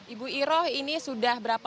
ibu iroh ini sudah berapa